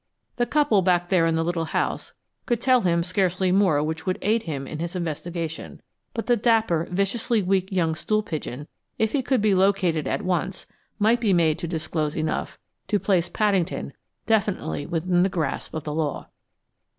The couple back there in the little house could tell him scarcely more which would aid him in his investigation, but the dapper, viciously weak young stool pigeon, if he could be located at once, might be made to disclose enough to place Paddington definitely within the grasp of the law.